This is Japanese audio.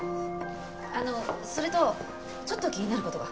あのそれとちょっと気になる事が。